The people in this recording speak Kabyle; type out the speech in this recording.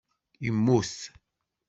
Immut.